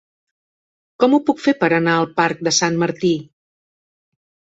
Com ho puc fer per anar al parc de Sant Martí?